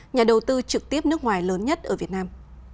nhà đầu tư trực tiếp nước ngoài lớn nhất ở việt nam